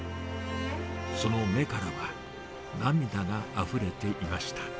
その目からは、涙があふれていました。